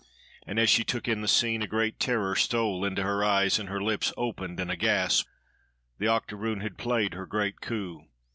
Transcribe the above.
And as she took in the scene, a great terror stole into her eyes and her lips opened in a gasp. The octoroon had played her great coup.